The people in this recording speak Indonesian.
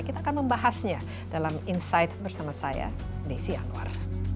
kita akan membahasnya dalam insight bersama saya desi anwar